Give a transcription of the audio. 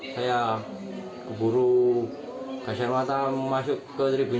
saya keburu gas air mata masuk ke tribun